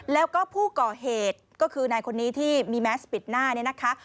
แล้วก็ผู้ก่อเหตุก็คือนายคนนี้ที่มีแมสปิดหน้าเนี่ยนะคะ